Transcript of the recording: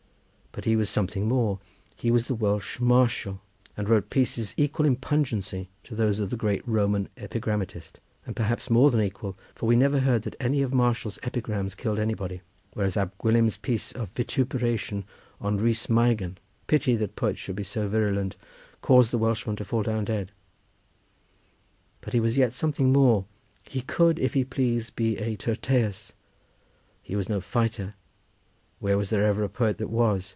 But he was something more; he was the Welsh Martial, and wrote pieces equal in pungency to those of the great Roman epigrammatist, perhaps more than equal, for we never heard that any of Martial's epigrams killed anybody, whereas Ab Gwilym's piece of vituperation on Rhys Meigan—pity that poets should be so virulent—caused the Welshman to fall down dead. But he was yet something more; he could, if he pleased, be a Tyrtæus; he was no fighter—where was there ever a poet that was?